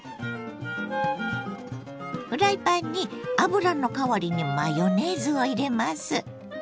フライパンに油の代わりにマヨネーズを入れます。